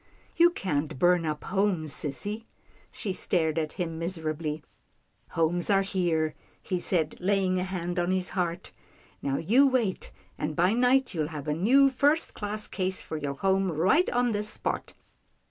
" You can't burn up homes, sissy." She stared at him miserably. " Homes are here," he said laying a hand on his heart. " Now you wait, and, by night, you'll have a new, first class case for your home right on this spot."